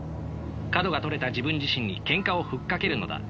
角が取れた自分自身にけんかを吹っかけるのだ。